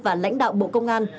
và lãnh đạo bộ công an